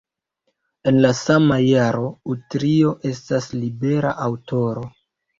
El la sama jaro Utrio estas libera aŭtoro.